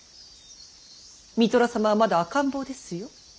三寅様はまだ赤ん坊ですよ。